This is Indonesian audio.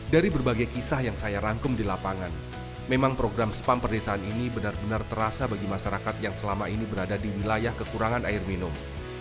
dari berbagai kisah yang saya rangkum di lapangan memang program spam perdesaan ini benar benar terasa bagi masyarakat yang selama ini berada di wilayah kekurangan air minum